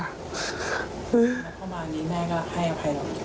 แล้วพอมาอันนี้แม่ก็ให้อภัยแล้ว